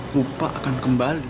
rupa akan kembali